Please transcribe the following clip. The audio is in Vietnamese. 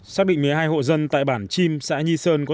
xác định một mươi hai hộ dân tại bản chim xã nhi sơn